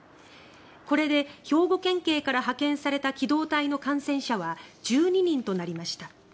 これで兵庫県警から派遣された機動隊の感染者は１２人となりました。